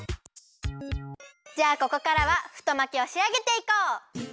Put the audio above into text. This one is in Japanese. じゃあここからは太巻きをしあげていこう！